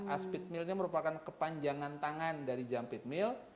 as pit mill ini merupakan kepanjangan tangan dari jam pit mill